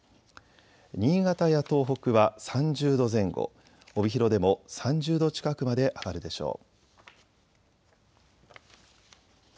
新潟や東北は３０度前後、帯広でも３０度近くまで上がるでしょう。